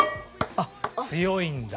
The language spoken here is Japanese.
ああ強いんだ。